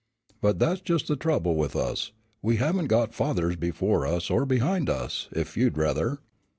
But that's just the trouble with us; we haven't got fathers before us or behind us, if you'd rather."